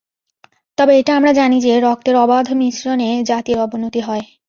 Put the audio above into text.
তবে এটা আমরা জানি যে, রক্তের অবাধ মিশ্রণে জাতির অবনতি হয়।